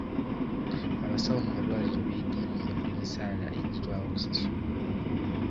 Abasawo mu malwaliro beediimye olw'emisaala egirwawo okusasulwa.